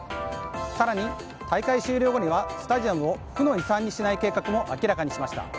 更に、大会終了後にはスタジアムを負の遺産にしない計画も明らかにしました。